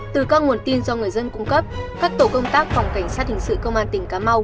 từ các nguồn tin do người dân cung cấp các tổ công tác phòng cảnh sát hình sự công an tỉnh cà mau